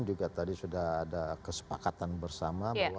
juga tadi sudah ada kesepakatan bersama bahwa